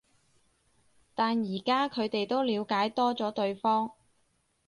但而家佢哋都了解多咗對方